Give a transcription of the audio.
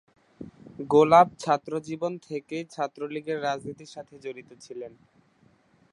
গোলাপ ছাত্রজীবন থেকেই ছাত্রলীগের রাজনীতির সাথে জড়িত ছিলেন।